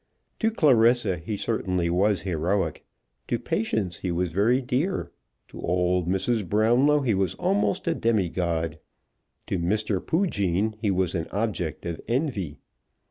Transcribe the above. To Clarissa he certainly was heroic; to Patience he was very dear; to old Mrs. Brownlow he was almost a demigod; to Mr. Poojean he was an object of envy.